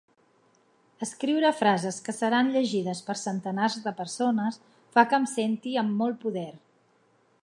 Escriure frases que seran llegides per centenars de persones fa que em senti amb molt poder!